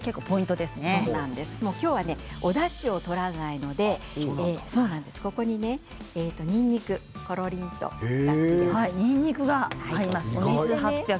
今日はおだしを取らないのでここに、にんにくにんにくが入ります。